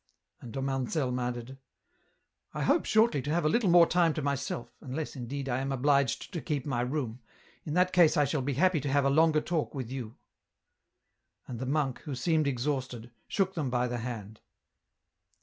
And Dom Anselm added :" I hope shortly to have a little more time to myself, unless, indeed, I am obliged to keep my room, in that case I shall be happy to have a longer talk with you." And the monk, who seemed exhausted, shook them by the hand.